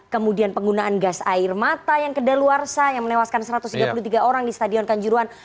kemudian penggunaan gas air mata yang kedaluarsa yang menewaskan satu ratus tiga puluh tiga orang di stadion kanjuruan